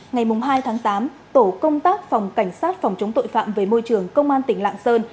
ngày hai tháng tám tổ công tác phòng cảnh sát phòng chống tội phạm về môi trường công an tỉnh lạng sơn